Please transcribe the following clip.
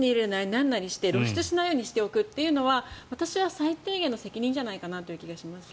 なんなりして露出しないようにするっていうのは私は最低限の責任じゃないかなという気がしますね。